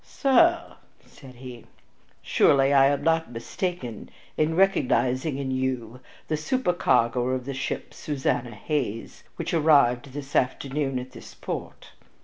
"Sir," said he, "surely I am not mistaken in recognizing in you the supercargo of the ship Susanna Hayes, which arrived this afternoon at this port?"